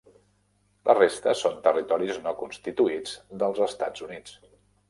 La resta són territoris no constituïts dels Estats Units.